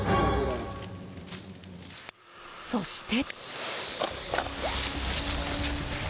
そして。